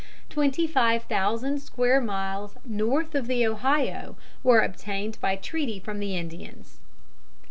Twenty five thousand square miles north of the Ohio were obtained by treaty from the Indians.